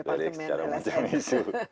dari secara macam isu